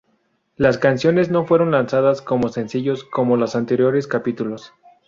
Las canciones no fueron lanzadas como sencillos como los anteriores capítulos.